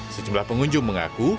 sejumlah pengunjung mengaku